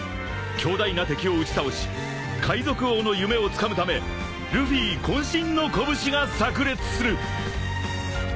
［強大な敵を打ち倒し海賊王の夢をつかむためルフィ渾身の拳が炸裂する］